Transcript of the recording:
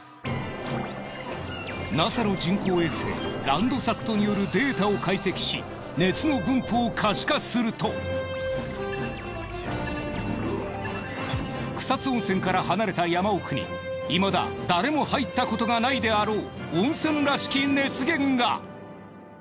ＮＡＳＡの人工衛星ランドサットによるデータを解析し草津温泉から離れた山奥にいまだ誰も入ったことがないであろう温泉らしき熱源が。